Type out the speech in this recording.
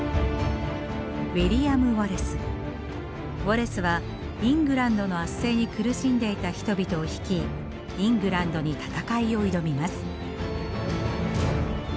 ウォレスはイングランドの圧政に苦しんでいた人々を率いイングランドに戦いを挑みます。